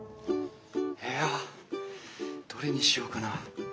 いやどれにしようかな。